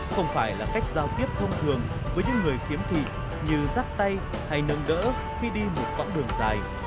không phải là cách giao tiếp thông thường với những người khiếm thị như rắt tay hay nâng đỡ khi đi một quãng đường dài